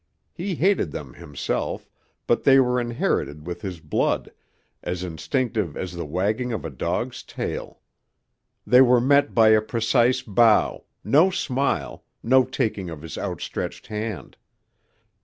He hated them himself, but they were inherited with his blood, as instinctive as the wagging of a dog's tail. They were met by a precise bow, no smile, no taking of his outstretched hand.